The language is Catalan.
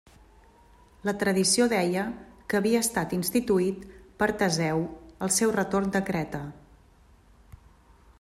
La tradició deia que havia estat instituït per Teseu al seu retorn de Creta.